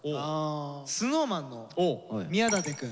ＳｎｏｗＭａｎの宮舘くん。